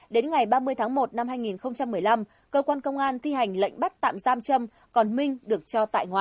đến ngày ba mươi tháng một năm hai nghìn một mươi năm cơ quan công an thi hành lệnh bắt tạm giam trâm còn minh được cho tại ngoại